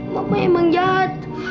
mama emang jahat